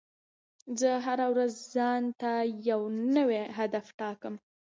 زه هره ورځ ځان ته یو نوی هدف ټاکم.